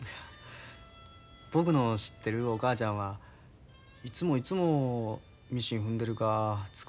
僕の知ってるお母ちゃんはいつもいつもミシン踏んでるか繕い物してるかやな。